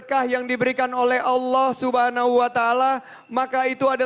saya berterima kasih kepada